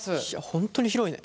本当に広いね。